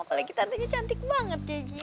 apalagi tante nya cantik banget kayak gini